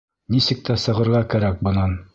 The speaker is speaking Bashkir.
Нисек тә сығырға кәрәк бынан.